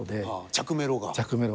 着メロが。